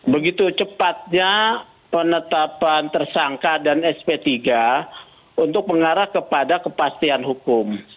begitu cepatnya penetapan tersangka dan sp tiga untuk mengarah kepada kepastian hukum